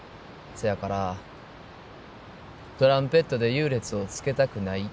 そやからトランペットで優劣をつけたくない。